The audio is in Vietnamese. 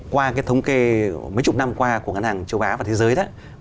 qua cái thống kê mấy chục năm qua của ngân hàng châu á và thế giới đó